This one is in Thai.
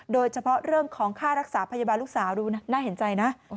โดยเฉพาะเรื่องของค่ารักษาพยาบาลลูกสาวดูน่าเห็นใจนะ